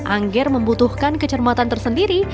angger membutuhkan kecermatan tersendiri